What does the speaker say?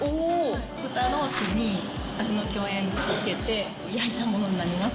豚ロースに味の饗宴つけて、焼いたものになります。